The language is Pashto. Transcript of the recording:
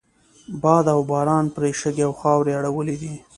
باد و باران پرې شګې او خاورې اړولی دي.